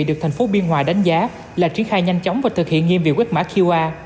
được thành phố biên hòa đánh giá là triển khai nhanh chóng và thực hiện nghiêm việc quét mã qr